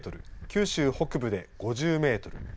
九州北部で５０メートル